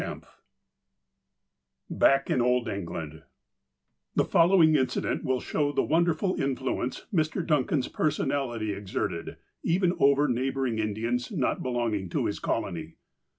XXVII BACK IN OLD ENGLAND THE following incident will show the wonderful influence Mr. Duncan's personality exerted, even over neighboui'ing Indians not belonging to his colony.